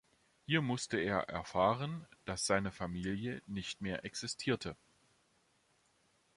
Hier musste er erfahren, dass seine Familie nicht mehr existierte.